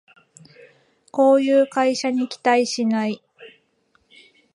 こういう会社には期待しない